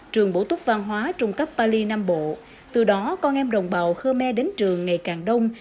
trường bổ túc văn hóa trung cấp bali nam bộ từ đó con em đồng bào khơ me đến trường ngày càng đông